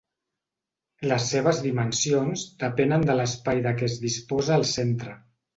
Les seves dimensions depenen de l'espai de què es disposa al centre.